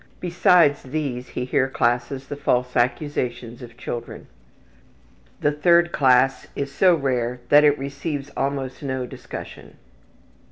Besides these, he here classes the false accusations of children. The third class is so rare that it receives almost no discussion.